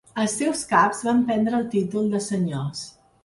Els seus caps van prendre el títol de senyors.